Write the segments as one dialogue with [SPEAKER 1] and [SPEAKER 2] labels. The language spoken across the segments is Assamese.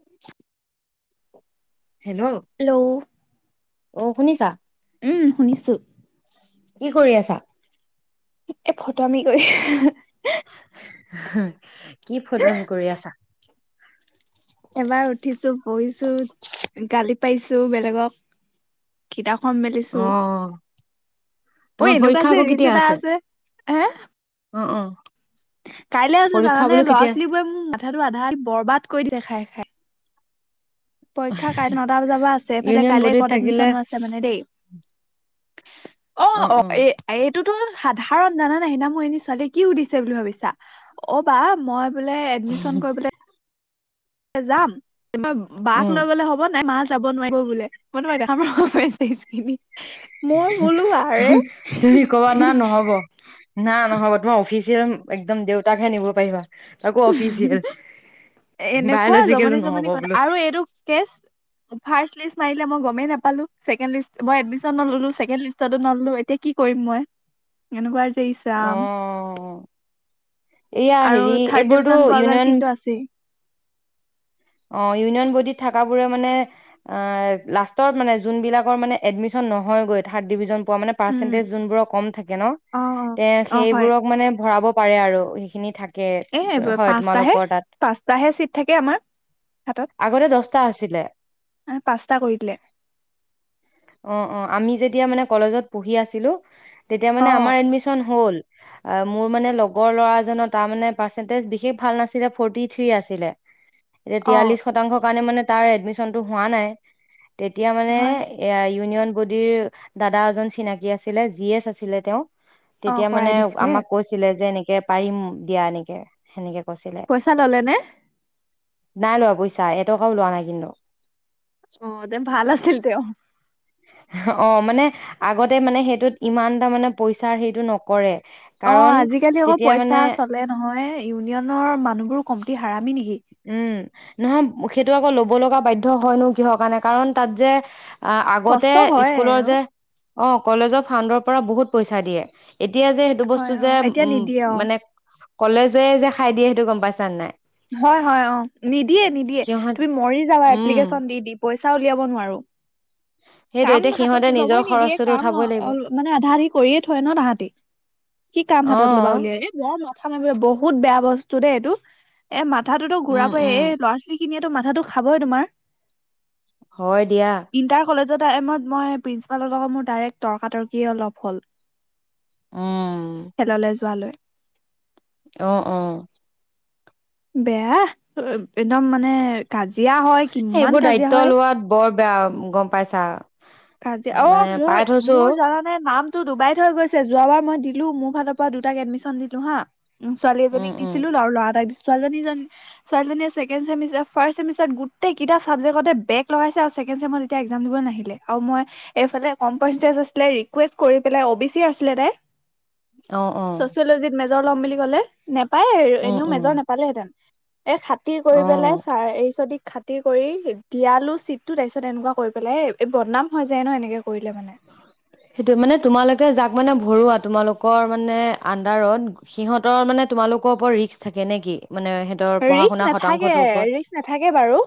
[SPEAKER 1] উম [inaudible] হেল্ল' অ শুনিছা
[SPEAKER 2] উম শুনিছো
[SPEAKER 1] কি কৰি আছা।
[SPEAKER 2] এ ফটোৱামি কৰি
[SPEAKER 1] হম কি ফটোৱামি কৰি আছা। অঁ
[SPEAKER 2] এবাৰ পাইছো বেলেগক কিতাপ অঁ মেলিছো
[SPEAKER 1] অ
[SPEAKER 2] অই
[SPEAKER 1] তোমাৰ
[SPEAKER 2] এনেকোৱা
[SPEAKER 1] পৰীক্ষা
[SPEAKER 2] যে
[SPEAKER 1] আকৌ
[SPEAKER 2] ৰিলছ এটা আছে হে
[SPEAKER 1] অঁ অঁ
[SPEAKER 2] কাইলৈ আছে জানানে ল'ৰা
[SPEAKER 1] আছে?
[SPEAKER 2] ছোৱালীবোৰে মোক মাথাটো আধা বৰবাদ। কৈ দিয়া খাই খাই। পৰীক্ষা কাইলে নটা বজাৰ পৰা আছে এফালে
[SPEAKER 1] ইউনিয়ন
[SPEAKER 2] কাইলে
[SPEAKER 1] বডিত থাকিলে
[SPEAKER 2] এডমিশনো আছে মানে দেই। অঁ
[SPEAKER 1] অ
[SPEAKER 2] অঁ
[SPEAKER 1] অ
[SPEAKER 2] এই এইটোতো সাধাৰণ জানানাই সেইদিনাখন মোৰ এজনী ছোৱালীয়ে কি সুধিছে বুলি ভাবিছা অঁ বা মই বোলে এডমিশন কৰিবলে। এ যাম বাক
[SPEAKER 1] উম।
[SPEAKER 2] লৈ গ'লে হ'ব নাই মা যাব নোৱাৰিব বোলে আম লগত পৰে ষ্টেজখিনি
[SPEAKER 1] তুমি কবা না নহব না নহব তোমাৰ অফিচিয়েল একদম দেউতাকহে নিব পাৰিবা। তাকো অফিচিয়েল
[SPEAKER 2] এনেকোৱা
[SPEAKER 1] বায়লজিকেলো
[SPEAKER 2] জমনি
[SPEAKER 1] নহ'ব
[SPEAKER 2] জমনি কথা
[SPEAKER 1] বোলো।
[SPEAKER 2] আৰু এইটো কেছ ফাষ্ট। লিষ্ট মাৰিলে মই গমেই নাপালো ছেকেণ্ডলিষ্ট মই এডমিচন নললো, ছেকেণ্ডলিষ্টতটো নললো এতিয়া কি কৰিম মই এনেকোৱা
[SPEAKER 1] অঁ এইয়া
[SPEAKER 2] আৰু
[SPEAKER 1] হেৰি
[SPEAKER 2] থাৰ্ড
[SPEAKER 1] এইবোৰতো
[SPEAKER 2] ডিভিজন পোৱা গাল
[SPEAKER 1] ইউনিয়ন
[SPEAKER 2] কিন্তু আছেই
[SPEAKER 1] অঁ ইউনিয়ন বডিত থকাবোৰে মানে লাষ্টত মানে যোনবিলাকৰ মানে এডমিচন নহয় গৈ থাড ডিভিজন।
[SPEAKER 2] উম
[SPEAKER 1] পাৰ্চেন্টেজ যোন বোৰৰ কম থাকে ন
[SPEAKER 2] অ অ অ হয়
[SPEAKER 1] সেইবোৰক মানে ভৰাব পাৰে আৰু সেইখিনি থাকে।
[SPEAKER 2] এব
[SPEAKER 1] হয়
[SPEAKER 2] পাঁচটাহে
[SPEAKER 1] তোমালোকৰ তাত
[SPEAKER 2] পাঁচটাহে চিট থাকে আমাৰ। হাতত
[SPEAKER 1] আগতে দছটা আছিলে
[SPEAKER 2] পাঁচটা কৰি দিলে
[SPEAKER 1] অঁ অঁ আমি যেতিয়া মানে কলেজত পঢ়ি আছিলো। তেতিয়া
[SPEAKER 2] অ
[SPEAKER 1] মানে আমাৰ এডমিশন হ'ল। মোৰ মানে লগৰ ল'ৰাজনৰ তাৰ মানে পাৰ্চেন্টেজ বিশেষ ভাল নাছিলে ফৰ্টি থ্ৰী আছিলে এতিয়া
[SPEAKER 2] অ
[SPEAKER 1] তিয়াল্লিশ শতংশৰ কাৰণে মানে। তাৰ এডমিশনতটো হোৱা নাই। তেতিয়া মানে।
[SPEAKER 2] হয়
[SPEAKER 1] এ ইউনিয়ন বডিৰ দাদা এজন চিনাকি আছিলে জি এচ আছিলে তেওঁ।
[SPEAKER 2] অ
[SPEAKER 1] তেতিয়া
[SPEAKER 2] কৰাই
[SPEAKER 1] মানে
[SPEAKER 2] দিছিলে
[SPEAKER 1] আমাক কৈছিলে যে নি। যে পাৰিম দিয়া এনেকৈ সেনেকৈ
[SPEAKER 2] পইচা ললে নে?
[SPEAKER 1] নাই লোৱা পইচা এটকাওঁ লোৱা নাই কিন্তু,
[SPEAKER 2] অ দে ভাল আছিল তেওঁ
[SPEAKER 1] অ মানে আগতে মানে সেইটোত ইমান টা মানে পইচাৰ সেইটো নকৰে
[SPEAKER 2] অ
[SPEAKER 1] কাৰণ
[SPEAKER 2] আজিকালি আকৌ
[SPEAKER 1] তেতিয়া মানে
[SPEAKER 2] পইচা চলে নহয় ইউনিয়নৰ মানুহবোৰ কমতি হাৰমি নেকি?
[SPEAKER 1] উম নহয় সেইটো আকৌ ল'ব লগা বাধ্য হয়নো কিহৰ কাৰণে কাৰণ তাত যে- আঁহ আগতে
[SPEAKER 2] কষ্ট হয়
[SPEAKER 1] স্কুলৰ
[SPEAKER 2] আৰু
[SPEAKER 1] যে অ কলেজৰ ফাণ্ডৰ পৰা বহুত পইচা দিয়ে। এতিয়া যে সেইটো বস্তু
[SPEAKER 2] হয় অ
[SPEAKER 1] যে
[SPEAKER 2] এতিয়া
[SPEAKER 1] উম
[SPEAKER 2] নিদিয়ে অ
[SPEAKER 1] মানে কলেজে যে খাই দিয়ে সেইটো গম পাইছা নাই
[SPEAKER 2] হয় হয় অঁহ নিদিয়ে নিদিয়ে
[SPEAKER 1] সিহঁত
[SPEAKER 2] তুমি মৰি যাবা
[SPEAKER 1] উম
[SPEAKER 2] এপ্লিকেচন দি দি পইছা, উলিয়াব নোৱাৰো
[SPEAKER 1] সেইটো
[SPEAKER 2] কাম
[SPEAKER 1] এতিয়া
[SPEAKER 2] হাতত
[SPEAKER 1] সিহঁতে নিজৰ
[SPEAKER 2] ল'বই নিদিয়ে
[SPEAKER 1] খৰচটোতো
[SPEAKER 2] কাম
[SPEAKER 1] উঠাবই লাগিব
[SPEAKER 2] অ মানে আধা আধি কৰিয়ে থয় ন তাহাঁতি কি কাম
[SPEAKER 1] অ
[SPEAKER 2] হাতত ল'বা উলিয়াই বৰ মাথা মাৰিব বহুত বেয়া বস্তু, এই টো দে এইটো এ মাত তাহাঁতে তো
[SPEAKER 1] উম
[SPEAKER 2] ঘূৰাইব এই
[SPEAKER 1] উম
[SPEAKER 2] ল'ৰা ছোৱালী খিনিয়ে, মাথাটো খাবই তোমাৰ
[SPEAKER 1] হয় দিয়া
[SPEAKER 2] ইণ্টাৰ কলেজৰ টাইমত মই প্ৰিঞ্চিপাল ৰ লগত মোৰ ডাইৰেক্ট তৰ্কাতৰ্কি অলপ হ'ল।
[SPEAKER 1] উম
[SPEAKER 2] খেললে যোৱালৈ
[SPEAKER 1] অহ অহ
[SPEAKER 2] বেয়া একদম মানে কাজিয়া হয় কিমান
[SPEAKER 1] এইবোৰ
[SPEAKER 2] কাজিয়া
[SPEAKER 1] দায়িত্ব
[SPEAKER 2] হয়
[SPEAKER 1] লোৱাত বৰ- বেয়া গম পাইছা,
[SPEAKER 2] কাজিয়া অ
[SPEAKER 1] মানে
[SPEAKER 2] মোৰ
[SPEAKER 1] পাই থৈছো
[SPEAKER 2] মোৰ জানানে নামটো ডুবাইত হৈ গৈছে যোৱাবাৰ মই দিলো মোক ফালৰ পৰা দুটাক এডমিশন দিলো হা। উম ছোৱালী
[SPEAKER 1] উম
[SPEAKER 2] এজনীক
[SPEAKER 1] উম
[SPEAKER 2] দিছিলো আৰু ল'ৰা এটাক দিছিলো। ছোৱীজনীজনী ছোৱালীজনীয়ে ছেকেণ্ড ছেমিষ্টাৰ ফাৰ্ষ্ট চেমিষ্টাৰ গোটেইকেইটা চাবজেক্টতে বেক লগাইছে আৰু ছেকেণ্ড ছেমিষ্টাৰ একযাম দিব নাহিলে। আৰু মই এইফালে কমপাৰজেজ আছিলে ৰিকুৱেষ্ট কৰি পেলাই অ বি চি আছিলে তাই,
[SPEAKER 1] অহ অহ
[SPEAKER 2] ছচিয়লজিত লম বুলি ক'লে নেপ পায় এনেও
[SPEAKER 1] উম
[SPEAKER 2] মেজৰ নাপালেহেঁতেন- এ খাতিৰ
[SPEAKER 1] অ
[SPEAKER 2] কৰি পেলাই চাৰ এই চদি খাতি কৰি দিয়ালো চিটটো তাৰপিছত এনেকুৱা কৰি পেলাই হ এই বদনাম হৈ যায়। ন এনেকে কৰিলে মানে
[SPEAKER 1] সেইটো মানে তোমালোকে যাক মানে ভৰৱা তোমালোকৰ মানে আণ্ডাৰত সিহঁতৰ মানে তোমালোকৰ ওপৰত ৰিস্ক থাকে নে কি মানে সিহঁতৰ পঢ়া
[SPEAKER 2] ৰিস্ক
[SPEAKER 1] শুনা
[SPEAKER 2] নাথাকে
[SPEAKER 1] শতাংশটোৰ ওপৰত
[SPEAKER 2] ৰিস্ক নাথাকে বাৰু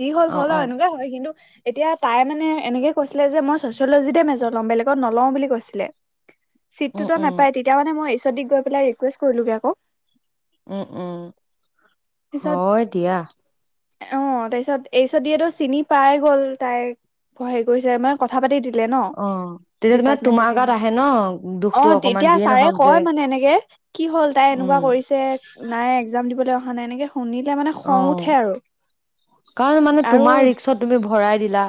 [SPEAKER 2] যি হল
[SPEAKER 1] অ
[SPEAKER 2] হল
[SPEAKER 1] অ
[SPEAKER 2] এনেকুৱা হয় কিন্তু এতিয়া তাই মানে এনেকে- কৈছিলে যে মই ছচিয়লজিতে মেজৰ ল'ম বেলেগত নলওঁ বুলি কৈছিলে।
[SPEAKER 1] উম
[SPEAKER 2] চিটটোতো
[SPEAKER 1] উম
[SPEAKER 2] নাপাই তেতিয়া মানে মই যদি গৈ পেলাই ৰিকুৱেষ্ট কৰিলোগৈ আকৌ
[SPEAKER 1] উম উম
[SPEAKER 2] তাৰপিছত
[SPEAKER 1] হয় দিয়া
[SPEAKER 2] অ তাৰ পিছত এই পিছত দিয়েতো চিনি পাই গ'ল তাই হেৰি কৰিছে মানে কথা পাতি দি দিলে ন
[SPEAKER 1] অ তেতিয়া তোমাৰ
[SPEAKER 2] দিপাৰত মেনটৰ
[SPEAKER 1] তোমাৰ গাত আহে ন
[SPEAKER 2] অ
[SPEAKER 1] দুখটো অকমান
[SPEAKER 2] তেতিয়া
[SPEAKER 1] যিয়ে
[SPEAKER 2] ছাৰে
[SPEAKER 1] নহওক যে
[SPEAKER 2] কয় মানে এনেকে কি হ'ল তাই এনেকুৱা
[SPEAKER 1] উম
[SPEAKER 2] কৰিছে নাই একজাম দিবও মানে এনেকে শুনিলে মানে
[SPEAKER 1] অ
[SPEAKER 2] খং উঠে আৰু
[SPEAKER 1] কাৰণ মানে
[SPEAKER 2] আৰু
[SPEAKER 1] তোমাৰ ৰিক্সত তুমি ভৰাই দিলা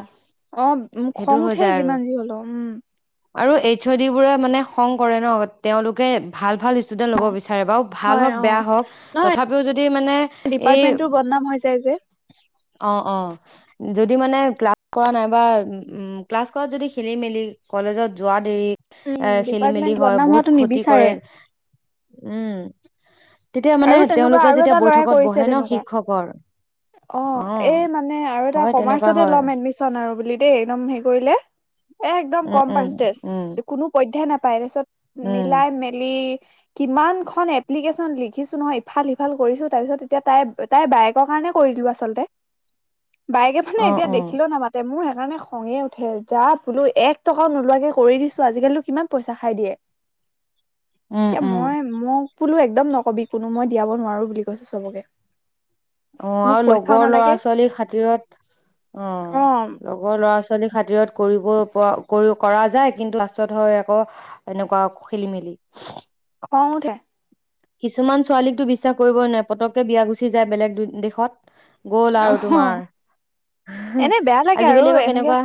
[SPEAKER 2] অ
[SPEAKER 1] সেইটো
[SPEAKER 2] খং
[SPEAKER 1] হৈ
[SPEAKER 2] উঠে
[SPEAKER 1] যায় আৰু
[SPEAKER 2] যিমান যি হলেও উম
[SPEAKER 1] আৰু এইচ অ' ড বোৰে মানে খং কৰে ন তেওঁলোকে ভাল ভাল ষ্টুডেন্ট ল'ব বিচাৰে বিচাৰিব ভাল
[SPEAKER 2] হয়
[SPEAKER 1] হওক
[SPEAKER 2] অ
[SPEAKER 1] বেয়া হওঁক তথাপিও যদি মানে এই
[SPEAKER 2] দিপাৰত মেনটোৰ বনাম হৈ যায়।
[SPEAKER 1] অ অ যদি মানে ক্লাছ কৰা নাইবা উ ক্লাছ কৰাত যদি খেলি মেলি কলেজত যোৱা দেৰি
[SPEAKER 2] উম
[SPEAKER 1] এ খেলি মেলি
[SPEAKER 2] ডিপাৰ্টমেন্ট
[SPEAKER 1] হয়
[SPEAKER 2] বদনাম
[SPEAKER 1] বহুত
[SPEAKER 2] হোৱাটো
[SPEAKER 1] ক্ষতি কৰে
[SPEAKER 2] নিবিচাৰে
[SPEAKER 1] উম তেতিয়া মানে
[SPEAKER 2] আৰু তেনেকুৱা
[SPEAKER 1] তেওঁলোকে
[SPEAKER 2] আৰু
[SPEAKER 1] যেতিয়া
[SPEAKER 2] এটা ল'ৰাই
[SPEAKER 1] বৈঠকত
[SPEAKER 2] কৰিছে
[SPEAKER 1] বহে ন
[SPEAKER 2] তেনেকোৱা
[SPEAKER 1] শিক্ষকৰ
[SPEAKER 2] অ এ মানে আৰু
[SPEAKER 1] হয় তেনেকুৱা
[SPEAKER 2] কমাৰ্চতে
[SPEAKER 1] হয়
[SPEAKER 2] লয় এডমিশ্যন আৰু বুলি দেই হেৰি কৰিলে এক দম
[SPEAKER 1] উম উম
[SPEAKER 2] পাটেচ
[SPEAKER 1] উম
[SPEAKER 2] বিধ্যানা [unintelligible] তাৰৰপাছত
[SPEAKER 1] উম
[SPEAKER 2] মিলাই মেলি কিমান খন এপ্লিকেন লি লিখিছো নহয় ইফাল সিফাল কৰিছো তাৰ পিছত তেতিয়া তাই তাই বায়েকৰ কাৰণে কৰি দো আচলতে বায়েকে মানে
[SPEAKER 1] অ
[SPEAKER 2] এতিয়া
[SPEAKER 1] অ
[SPEAKER 2] দেখিলেও নামাতে মোৰ হ খঙে উঠে যা বোলো এক টকাও নোলোৱাকে কৰি দিছো আজিকালিনো কিমান পইচা খাই দিয়ে।
[SPEAKER 1] উম
[SPEAKER 2] এতিয়া
[SPEAKER 1] উম
[SPEAKER 2] মই মোক বোলো একদম নকবি কোনো মই দিয়াব নোৱাৰো বুলি কৈছো। চবকে
[SPEAKER 1] অ
[SPEAKER 2] মোক
[SPEAKER 1] আৰু
[SPEAKER 2] পইচাও
[SPEAKER 1] লগৰ ল'ৰা
[SPEAKER 2] নালাগে
[SPEAKER 1] ছোৱালীৰ খাতিৰত অ লগৰ ল'ৰা ছোৱালী খাতিৰত কৰিব পৰা কৰি কৰা যায় কিন্তু লাষ্টত হয় আকৌ এনেকুৱা খেলি মেলি।
[SPEAKER 2] খং উঠে।
[SPEAKER 1] কিছুমান ছোৱালীকতো বিশ্বাস কৰিবই নোৱাৰে পতককে বিয়া গুচি যায়। বেলেগ দেশত গ'ল
[SPEAKER 2] অ
[SPEAKER 1] আৰু
[SPEAKER 2] হ
[SPEAKER 1] তোমাৰ
[SPEAKER 2] এনে বেয়া লাগে আৰু
[SPEAKER 1] আজিকালি আকৌ
[SPEAKER 2] এনেকে
[SPEAKER 1] কেনেকুৱা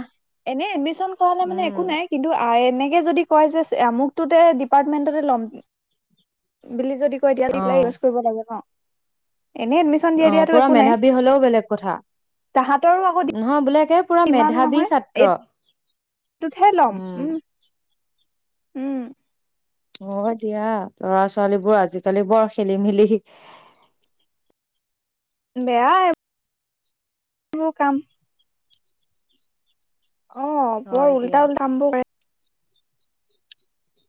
[SPEAKER 2] এনে এডমিশন কৰালে মানে
[SPEAKER 1] উম
[SPEAKER 2] একো নাই কিন্তু এনেকে যদি কৈছে যে আমুকটো দে ডিপাৰ্টমেন্টতে লম বুলি বুলি যদি। এতিয়া
[SPEAKER 1] অ
[SPEAKER 2] দিপেলাই ইউজ কৰিব লাগে ন এনেই এডমিশ্যন
[SPEAKER 1] অ
[SPEAKER 2] দিয়া দিয়াতো
[SPEAKER 1] পুৰা
[SPEAKER 2] একো নাই।
[SPEAKER 1] মেধাৱী বেলেগ কথা
[SPEAKER 2] তাহাঁতৰো আকৌ
[SPEAKER 1] নহয় বোলে কে, পুৰা মেধাৱী ছাত্ৰ,
[SPEAKER 2] তহে লম উম উম
[SPEAKER 1] হয় দিয়া লৰা ছোৱালীবোৰ আজিকালি বৰ খেলি মেলি।
[SPEAKER 2] বেয়া এ সো কাম অ বৰ
[SPEAKER 1] হয় দিয়া
[SPEAKER 2] উল্টা উল্টা কামবোৰ কৰে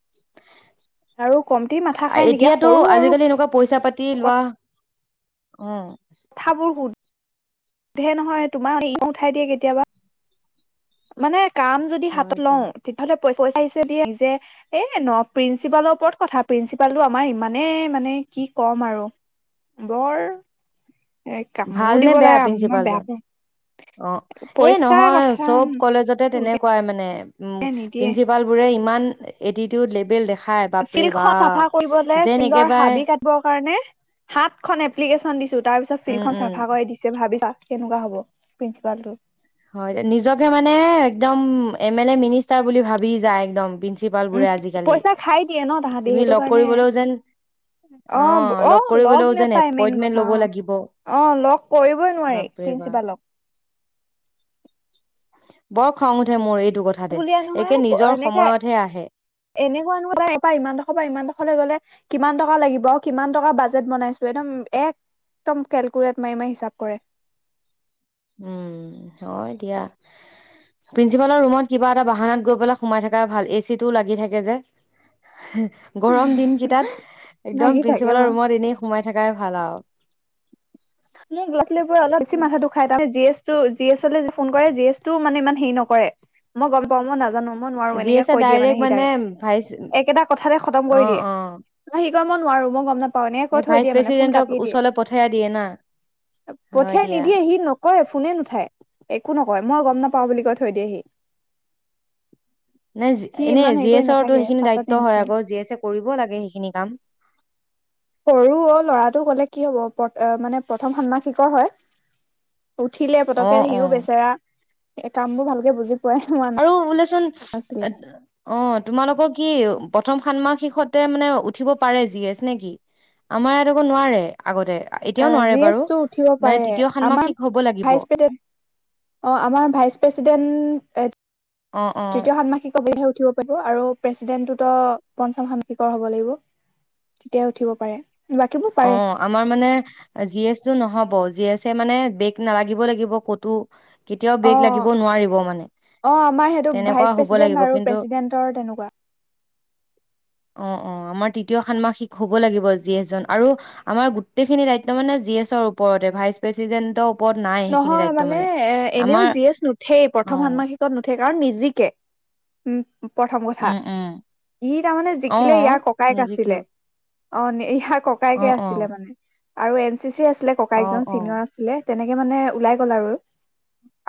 [SPEAKER 1] [unintelligible]
[SPEAKER 2] আৰু কমঠি মাথা খাই নেকি এ
[SPEAKER 1] এতিয়াতো
[SPEAKER 2] সৰু সৰু
[SPEAKER 1] আজিকালি এনেকুৱা পইচা পাতি লোৱা উম।
[SPEAKER 2] থাবোৰ শুধ সুধে নহয় তোমাক ই উঠাই দিয়ে কেতিয়াবা। মানে কাম যদি
[SPEAKER 1] হয়
[SPEAKER 2] হাতত লওঁ
[SPEAKER 1] দিয়া
[SPEAKER 2] তেতিয়াহ'লে, পইপইচাইচে দিয়ে নিজে এ ন প্ৰিন্ঞ্চিপালৰ ওপৰত কথা প্ৰিন্ঞ্চিপালটো আমাৰ ইমানেই মানে কি ক'ম আৰু বৰ এ কামোৰ
[SPEAKER 1] ভাল নে
[SPEAKER 2] দিব
[SPEAKER 1] বেয়া
[SPEAKER 2] লাগে মই
[SPEAKER 1] প্ৰিঞ্চিপাল
[SPEAKER 2] বেয়া
[SPEAKER 1] জন
[SPEAKER 2] পাওঁ
[SPEAKER 1] অ এ
[SPEAKER 2] পইচা
[SPEAKER 1] নহয়
[SPEAKER 2] কথা
[SPEAKER 1] চব কলেজতে
[SPEAKER 2] উলিয়াই
[SPEAKER 1] তেনেকুৱাই মানে, উম
[SPEAKER 2] নিদিয়ে
[SPEAKER 1] প্ৰিনসিপাল পুৰে ইমান এটিটিউড লেভেল দেখা,
[SPEAKER 2] ফিল্ড খ চাফা কৰিবলে ফিল্ডৰ
[SPEAKER 1] একেবাৰে
[SPEAKER 2] হাবি কাটবৰ কাৰণে সাত খ এপ্লিকেশ্যন দিছো তাৰ পিছত
[SPEAKER 1] উম
[SPEAKER 2] ফিল্ডখন
[SPEAKER 1] উম
[SPEAKER 2] চাফা কৰি দিছে ভাবিছা, কেনেকুৱা হ'ব প্ৰিন্সিপালটো,
[SPEAKER 1] হয় ', নিজকে মানে একদম, এম -এ- লে -মিনিষ্টাৰ বুলি ভাবি যায় একদম, প্ৰিন্সিপাল
[SPEAKER 2] উম,
[SPEAKER 1] বোৰে আজিকালি
[SPEAKER 2] পইচা খাই দিয়ে ন', তাহাঁতি
[SPEAKER 1] তুমি
[SPEAKER 2] সেইটো
[SPEAKER 1] লগ
[SPEAKER 2] কাৰণে।
[SPEAKER 1] কৰিবলৈও যেন অ
[SPEAKER 2] অহ', - অহ ', লগ
[SPEAKER 1] কৰিবলৈও যেন
[SPEAKER 2] নাপায় মেইন
[SPEAKER 1] এপইন্টমেন্ট
[SPEAKER 2] কথা
[SPEAKER 1] ল'ব
[SPEAKER 2] অ',
[SPEAKER 1] লাগিব
[SPEAKER 2] -অ ', লগ কৰিবই নোৱাৰি
[SPEAKER 1] বাপৰে বাপ
[SPEAKER 2] প্ৰিন্সিপালক।
[SPEAKER 1] বৰ খং উঠে মোৰ এইটো, কথাতে
[SPEAKER 2] বুলিয়ে নহয়
[SPEAKER 1] একে নিজৰ
[SPEAKER 2] এনেকাে-
[SPEAKER 1] সময়তহে আহে
[SPEAKER 2] এনেকুৱা নহয় ইমানডোখৰ পৰা ইমান ডোখৰলৈ গ'লে, কিমান টকা লাগিব, কিমান টকা বাজেট বনাইছো, একদম কেলকুলেট মাৰি -মাৰি হিচাপ কৰে।
[SPEAKER 1] উম ', -হয় ', দিয়া প্ৰিন্সিপালৰ ৰুমত কিবা এটা বাহানত গৈ পেলাই সোমাই থকা ভাল এচি টোও লাগি থাকে যে', গৰম দিন কেইটাত
[SPEAKER 2] লাগি
[SPEAKER 1] একদম
[SPEAKER 2] থাকে
[SPEAKER 1] প্ৰিন্ঞ্চিপালৰ
[SPEAKER 2] বাৰু।
[SPEAKER 1] ৰুমত এনেই সোমাই থকাই ভাল আৰু,
[SPEAKER 2] ল'ৰা ছোৱালীবোৰে স্কুলত অলপ বেছি মাথাটো খাই মানে, যি এছ, জিএছলে যে ', ফোন কৰে জিএছটো মানে ইমান হেৰি নকৰে। মই গম পাওঁ মই নাজানো। মই নোৱাৰো
[SPEAKER 1] জি
[SPEAKER 2] এনেকে
[SPEAKER 1] এছে
[SPEAKER 2] কৈ দিয়ে মানে
[SPEAKER 1] ডাইৰেক্ট
[SPEAKER 2] সি', - তাই
[SPEAKER 1] ভাইচ
[SPEAKER 2] একেটা কথাতে খতম
[SPEAKER 1] অ
[SPEAKER 2] কৰি দিয়ে
[SPEAKER 1] অ
[SPEAKER 2] ন', কিয় মই নোৱাৰো মই গম নাপাওঁ, এনেকে কৈ
[SPEAKER 1] এই
[SPEAKER 2] থৈ
[SPEAKER 1] ভাইচ
[SPEAKER 2] দিয়ে মানে ফোন
[SPEAKER 1] প্ৰেচিডেণ্টক
[SPEAKER 2] কাটিয়ে দিয়ে।
[SPEAKER 1] ওচৰলৈ পঠিয়াই দিয়ে ন',
[SPEAKER 2] পঠিয়াই নিদিয়ে সি নকয়, ফোনে নুঠায়। একো নকয় মই গম নাপাওঁ, পাওঁ বুলি কৈ থৈ দিয়েহি,
[SPEAKER 1] নাই
[SPEAKER 2] সি ইমান
[SPEAKER 1] এনেই
[SPEAKER 2] হেৰি
[SPEAKER 1] জি
[SPEAKER 2] কৰি
[SPEAKER 1] এছৰতো
[SPEAKER 2] নাথাকে
[SPEAKER 1] সেইখিনি
[SPEAKER 2] পাত্তা দি
[SPEAKER 1] দায়িত্ব হয়
[SPEAKER 2] নাথাকে
[SPEAKER 1] আক, জি এছ কৰিব লাগে সেইখিনি কাম।
[SPEAKER 2] আহ মানে প্ৰথম ষন্মাসিকৰ হয়। উঠিলে পতকে
[SPEAKER 1] অ',
[SPEAKER 2] সিও
[SPEAKER 1] অ',
[SPEAKER 2] বেচেৰা, এ', কামবোৰ ভালকে বুজি, কোৱাই হোৱা নাই।
[SPEAKER 1] আৰু বোলেচোন অ ', তোমালোকৰ কি প্ৰথম, ষান মাহ শিষতে মানে উঠিব পাৰে জি -এচ নেকি? আমাৰ ইয়াত একো নোৱাৰে আগতে, এতিয়াও নোৱাৰে
[SPEAKER 2] জি
[SPEAKER 1] বাৰু।
[SPEAKER 2] -এছটো উঠিব
[SPEAKER 1] মানে
[SPEAKER 2] পাৰে
[SPEAKER 1] তৃতীয়
[SPEAKER 2] আমাৰ
[SPEAKER 1] ষান্মাসিক হ'ব লাগিব
[SPEAKER 2] ভাইচ- প্ৰেচিডেণ্ট অ ', আমাৰ ভাইচ প্ৰেছিডেন্ট এইত,
[SPEAKER 1] অ', অ',
[SPEAKER 2] তৃতীয় - ষান্মাসিকতে উঠিব। আৰু প্ৰেচিডেন্টো ত পঞ্চম -ষান্মাসিকৰ হ'ব লাগিব। তেতিয়াই উঠিব পাৰে। বাকীবোৰ
[SPEAKER 1] অ
[SPEAKER 2] পাৰে
[SPEAKER 1] আমাৰ মানে জি এছ টো নহ'ব। জি এছ মানে বেগ নালাগিব লাগিব ক'তো। কেতিয়াও
[SPEAKER 2] অ
[SPEAKER 1] বেগ লাগিব নোৱাৰিব মানে
[SPEAKER 2] অ আমাৰ সেইটো
[SPEAKER 1] তেনেকুৱা
[SPEAKER 2] ভাইচ
[SPEAKER 1] হ'ব লাগিব
[SPEAKER 2] প্ৰেচিডেন্ট আৰু
[SPEAKER 1] কিন্তু
[SPEAKER 2] প্ৰেচিডেন্টৰ তেনেকুৱা।
[SPEAKER 1] অ অ আমাৰ তৃতীয় ষন্মাসিক হ'ব লাগিব জি এছ জন। আৰু আমাৰ গোটেইখিনি দায়িত্ব মানে জি এছৰ ওপৰতে ভাইচ প্ৰেচিডেণ্ট।
[SPEAKER 2] নহয় মানে এ এনেও জি এছ নুঠেই
[SPEAKER 1] অ
[SPEAKER 2] প্ৰথম ষন্মাসিকত নুঠে। কাৰণ নিজিকে উম। প্ৰথম কথা
[SPEAKER 1] উম উম
[SPEAKER 2] ই তাৰমানে
[SPEAKER 1] অ
[SPEAKER 2] জিকিলে ইয়াৰ ককায়েক আছিলে।
[SPEAKER 1] নিজিকেও
[SPEAKER 2] অ নি ই
[SPEAKER 1] অ
[SPEAKER 2] ককাইকে
[SPEAKER 1] অ
[SPEAKER 2] আছিলে মানে। আৰু এন চি চি আছিলে
[SPEAKER 1] অ
[SPEAKER 2] ককাইক জন
[SPEAKER 1] অ
[SPEAKER 2] চিনিয়ৰ আছিলে তেনেকে। সি মানে ওলাই গ'ল আৰু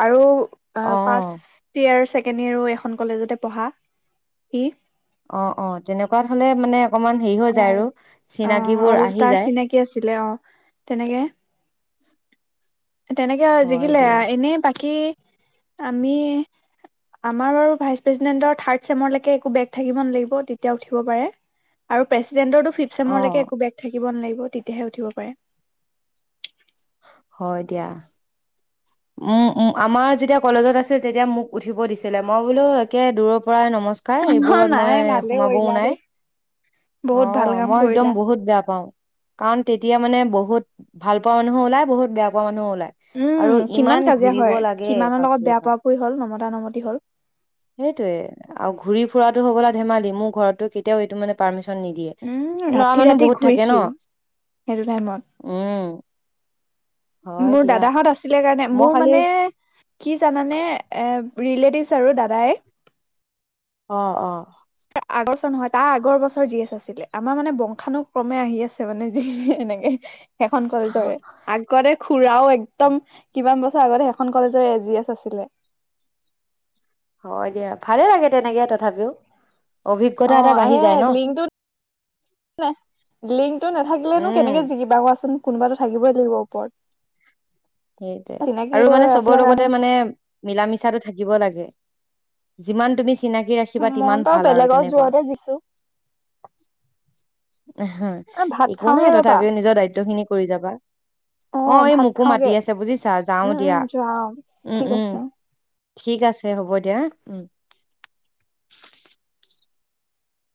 [SPEAKER 2] আৰু অ ফাৰ্ষ্ট ইয়েৰ ছে ছেকেণ্ড ইয়েৰো এখন কলেজতে পঢ়া সি
[SPEAKER 1] অ অ তেনেকুৱাত হ'লে মানে। অকমান হেৰি হৈ
[SPEAKER 2] অ
[SPEAKER 1] যায় আৰু
[SPEAKER 2] অ
[SPEAKER 1] চিনাকিবোৰ
[SPEAKER 2] আৰু
[SPEAKER 1] আহি
[SPEAKER 2] তাৰ
[SPEAKER 1] যায়
[SPEAKER 2] চিনাকি আছিলে অ তেনেকে তেনেকে আৱ
[SPEAKER 1] হয়
[SPEAKER 2] জিকিলে
[SPEAKER 1] দিয়া
[SPEAKER 2] আৱ এনে বাকী আমি আমাৰ বাও ভাইচ প্ৰেচিডেণ্টৰ থাৰ্ড ছেমৰ লেকে একো ব্ৰেক থাকিব নেলাগিব তেতিয়া উঠিব পাৰে। আৰু প্ৰেছিড্ৰেনটৰতো
[SPEAKER 1] অ
[SPEAKER 2] ফিপচেমৰ লেকে একো বেক থাকিব নেলাগিব তেতিয়াহে উঠিব পাৰে।
[SPEAKER 1] হয় দিয়া। উম উম আমাৰ যেতিয়া কলেজত আছিল তেতিয়া মোক উঠিব দিছিলে মই বোলো একে দূৰৰ পৰাই নম নমস্কাৰ
[SPEAKER 2] অ
[SPEAKER 1] এইবোৰত মই
[SPEAKER 2] নাই ভালে
[SPEAKER 1] সোমাবও
[SPEAKER 2] কৰিলা
[SPEAKER 1] নাই।
[SPEAKER 2] দেই।
[SPEAKER 1] অ
[SPEAKER 2] বহুত ভাল কাম
[SPEAKER 1] মই একদম
[SPEAKER 2] কৰিলা
[SPEAKER 1] বহুত বেয়া পাওঁ। কাৰণ তেতিয়া মানে বহুত ভাল পোৱা মানুহো ওলাই বহুত বেয়া পোৱা মানুহো ওলাই আৰু
[SPEAKER 2] উম কিমান
[SPEAKER 1] ইমান
[SPEAKER 2] কাজিয়া
[SPEAKER 1] ঘুৰিব
[SPEAKER 2] হয়
[SPEAKER 1] লাগে
[SPEAKER 2] কিমানৰ লগত
[SPEAKER 1] বাপৰে
[SPEAKER 2] বেয়া
[SPEAKER 1] বাপ,
[SPEAKER 2] পোৱা পুৰি হ'ল নমতা নমতি হ'ল
[SPEAKER 1] সেইটোয়ে আৰু ঘূৰি ফুৰাটো হ'বলা ধেমালি মোৰ ঘৰতটো কেতিয়াও এইটো মানে। পাৰ্মিচন
[SPEAKER 2] উম ৰাতি ৰাতি
[SPEAKER 1] ন
[SPEAKER 2] ঘূৰিছো সেইটো
[SPEAKER 1] উম
[SPEAKER 2] টাইমত
[SPEAKER 1] হয়
[SPEAKER 2] মোৰ
[SPEAKER 1] দিয়া
[SPEAKER 2] দাদাহঁত আছিলে কাৰণে
[SPEAKER 1] মই
[SPEAKER 2] মোৰ
[SPEAKER 1] খালি
[SPEAKER 2] মানে। কি জানানে এ ৰিলেটিভছ আৰু দাদাই
[SPEAKER 1] অ অ
[SPEAKER 2] আগৰ বছৰ নহয় তাৰ আগৰ বছৰ যি এছ আছিলে আমাৰ মানে বংশানুক্ৰমে আহি আছে মানে যি এনেকে সেইখন কলেজৰে আগতে খুৰাও একদম কিমান বছৰ আগতে সেইখন কলেজৰে জি এছ আছিলে
[SPEAKER 1] হয় দিয়া ভালে লাগে তেনেকে তথাপিও অভিজ্ঞতা
[SPEAKER 2] অ
[SPEAKER 1] এটা বাঢ়ি যায়
[SPEAKER 2] এয়াই
[SPEAKER 1] ন
[SPEAKER 2] লিংকটো লিংকটো নেথাকিলেনো
[SPEAKER 1] উম
[SPEAKER 2] কেনেকে জিকিবা কোৱাচোন কোনোবাতো থাকিবই লাগিব ওপৰত
[SPEAKER 1] সেইটোৱে আৰু
[SPEAKER 2] চিনাকিবোৰ
[SPEAKER 1] মানে চবৰ
[SPEAKER 2] আছিলে
[SPEAKER 1] লগতে
[SPEAKER 2] কাৰণে
[SPEAKER 1] মানে মিলা মিছাটো থাকিব লাগে। যিমান তুমি চিনাকি ৰাখিবা তিমান
[SPEAKER 2] মই বাৰু
[SPEAKER 1] ভাল আৰু
[SPEAKER 2] বেলেগৰ
[SPEAKER 1] তেনেকুৱা
[SPEAKER 2] যোৱাতে দিছোঁ
[SPEAKER 1] এহ একো নাই তথাপিও নিজৰ দায়িত্ব খিনি কৰি যাবা অ এই
[SPEAKER 2] ভাত
[SPEAKER 1] মোকো মাতি
[SPEAKER 2] খাওঁগে
[SPEAKER 1] তি আছে বুজিছা যাওঁ
[SPEAKER 2] উম উম
[SPEAKER 1] দিয়া
[SPEAKER 2] যোৱা অ
[SPEAKER 1] উম
[SPEAKER 2] ঠিক
[SPEAKER 1] উম
[SPEAKER 2] আছে
[SPEAKER 1] ঠিক আছে হ'ব দিয়া উম